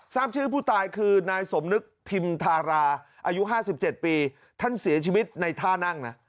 ทราบชื่อผู้ตายคือนายสมนึกพิมธาราอายุ๕๗ปีท่านเสียชีวิตในท่านั่งนะ